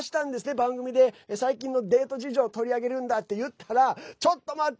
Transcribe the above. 番組で最近のデート事情を取り上げるんだって言ったらちょっと待って！